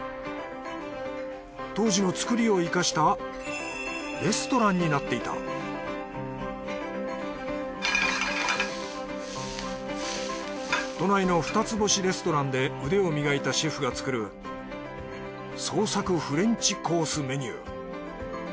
当時の作りを生かしたレストランになっていた都内の２つ星レストランで腕を磨いたシェフが作る創作フレンチコースメニュー。